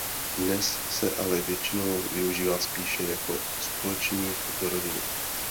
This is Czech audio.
Dnes se ale většinou využívá spíše jako společník do rodiny.